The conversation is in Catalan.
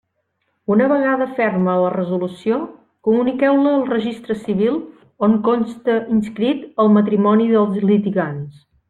Una vegada ferma la resolució, comuniqueu-la al Registre Civil on conste inscrit el matrimoni dels litigants.